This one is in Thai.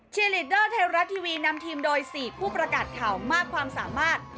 ลีดเดอร์ไทยรัฐทีวีนำทีมโดย๔ผู้ประกาศข่าวมากความสามารถ